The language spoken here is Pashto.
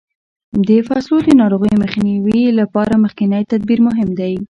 د فصلو د ناروغیو مخنیوي لپاره مخکینی تدبیر مهم دی.